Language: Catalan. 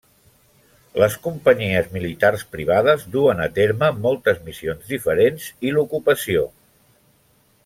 Les companyies militars privades duen a terme moltes missions diferents i l'ocupació.